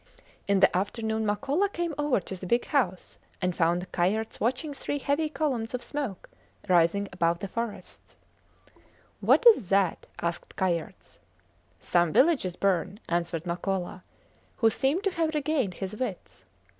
In the afternoon Makola came over to the big house and found Kayerts watching three heavy columns of smoke rising above the forests. What is that? asked Kayerts. Some villages burn, answered Makola, who seemed to have regained his wits.